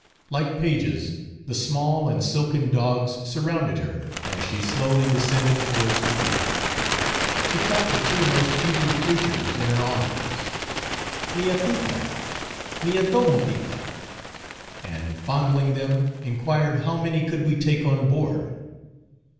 Like pages the small and silken dogs surrounded her, as she slowly descended towards the beach. She caught the two most eager creatures in her arms:—"Mia Teeta! Mia Tomoteeta!" and fondling them, inquired how many could we take on board.